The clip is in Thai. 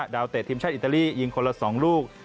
เตะทีมชาติอิตาลียิงคนละ๒ลูก